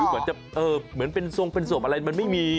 หรือเหมือนจะเป็นทรงเป็นโสกอะไรมันไม่มี